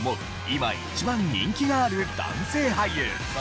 今一番人気がある男性俳優。